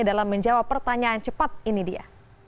dalam menjawab pertanyaan cepat ini dia